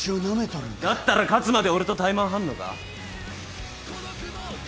だったら勝つまで俺とタイマン張んのか？